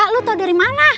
lo tau dari mana